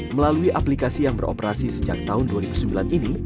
melalui aplikasi yang beroperasi sejak tahun dua ribu sembilan ini